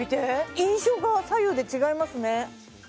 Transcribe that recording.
印象が左右で違いますね